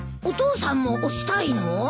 お父さんも押したいの？